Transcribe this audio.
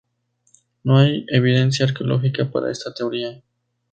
No hay evidencia arqueológica para esta teoría.